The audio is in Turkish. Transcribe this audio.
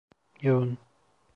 Yoğun…